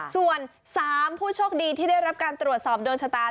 ส่วน๓ผู้โชคดีที่ได้รับการตรวจสอบโดนชะตา